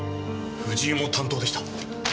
藤井も担当でした。